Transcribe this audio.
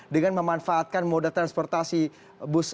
dengan memanfaatkan moda transportasi bus